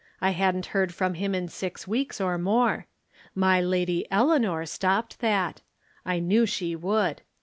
I hadn't heard from him in six weeks or more. My Lady Eleanor stopped that. I knew she would.